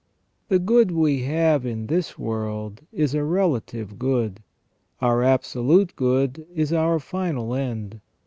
The good we have in this world is a relative good ; our absolute good is our final end.